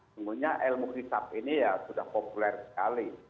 semuanya ilmu hisap ini ya sudah populer sekali